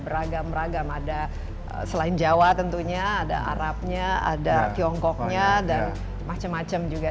beragam beragam ada selain jawa tentunya ada arabnya ada tiongkoknya dan macam macam juga